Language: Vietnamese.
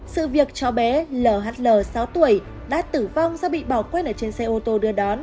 sự việc cháu bé lhl sáu tuổi đã tử vong do bị bỏ quên ở trên xe ô tô đưa đón